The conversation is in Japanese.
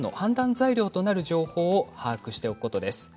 材料となる情報を把握しておくことです。